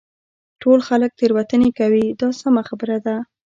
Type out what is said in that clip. ټول خلک تېروتنې کوي دا سمه خبره ده.